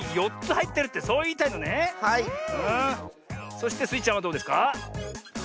そしてスイちゃんはどうですか？